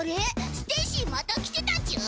ステイシーまた来てたチュン？